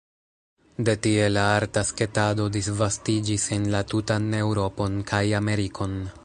De tie la arta sketado disvastiĝis en la tutan Eŭropon kaj Amerikon.